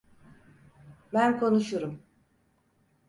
Ben konuşurum.